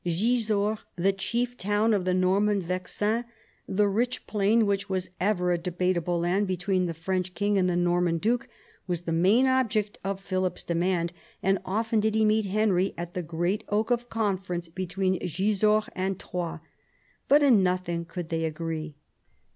Gisors, the chief town of the Norman Vexin, the rich plain which was ever a debate able land between the French king and the Norman duke, was the main object of Philip's demand, and often did he meet Henry at the great oak of conference between Gisors and Troye, " but in nothing could they agree."